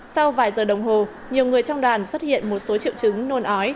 sau vài giờ đồng hồ nhiều người trong đoàn xuất hiện một số triệu chứng nôn ói